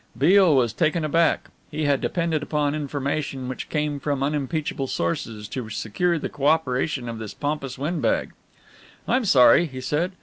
Beale was taken aback. He had depended upon information which came from unimpeachable sources to secure the co operation of this pompous windbag. "I'm sorry," he said.